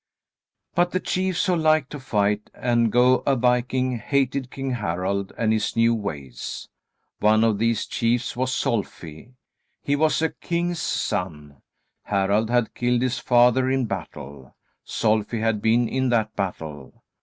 But the chiefs, who liked to fight and go a viking, hated King Harald and his new ways. One of these chiefs was Solfi. He was a king's son. Harald had killed his father in battle. Solfi had been in that battle.